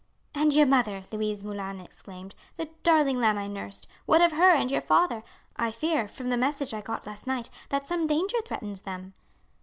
"And your mother," Louise Moulin exclaimed, "the darling lamb I nursed, what of her and your father? I fear, from the message I got last night, that some danger threatens them."